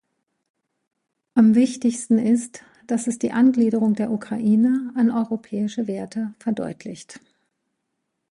Am wichtigsten ist, dass es die Angliederung der Ukraine an europäische Werte verdeutlicht.